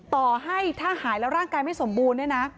ต่อให้ถ้าหายแล้วร่างกายไม่สมบูรณ์